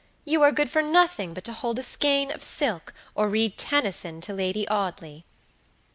You are good for nothing but to hold a skein of silk or read Tennyson to Lady Audley."